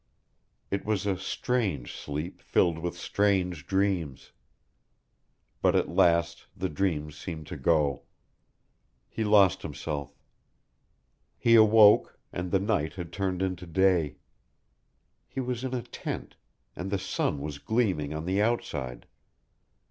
It was a strange sleep filled with strange dreams. But at last the dreams seemed to go. He lost himself. He awoke, and the night had turned into day. He was in a tent, and the sun was gleaming on the outside.